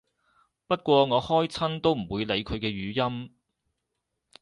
不過我開親都唔會理佢嘅語音